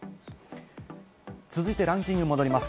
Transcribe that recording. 続いてランキングに戻ります。